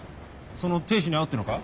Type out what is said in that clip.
その亭主に会うっていうのか？